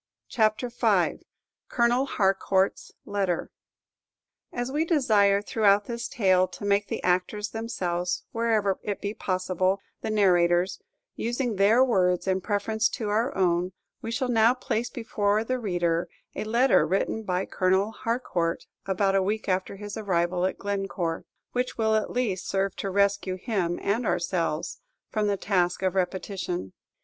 CHAPTER V. COLONEL HARCOUUT'S LETTER As we desire throughout this tale to make the actors themselves, wherever it be possible, the narrators, using their words in preference to our own, we shall now place before the reader a letter written by Colonel Harcourt about a week after his arrival at Glencore, which will at least serve to rescue him and ourselves from the task of repetition.